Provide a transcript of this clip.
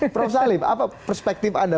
prof salim apa perspektif anda